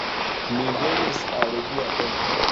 Mi venos al via domo